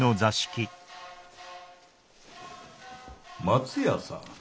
松屋さん。